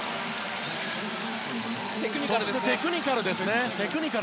そしてテクニカルです。